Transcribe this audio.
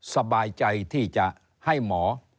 สบายใจที่จะให้หมอ